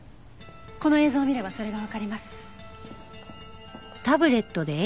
この映像を見ればそれがわかります。